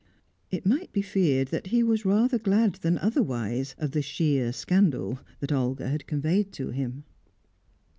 It might be feared that he was rather glad than otherwise of the "sheer scandal" Olga had conveyed to him.